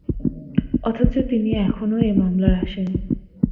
অথচ তিনি এখনও এ মামলার আসামি।